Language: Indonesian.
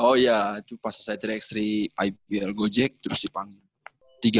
oh ya itu pas selesai tiga x tiga ibl gojek terus dipanggil